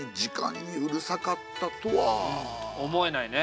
うん思えないね。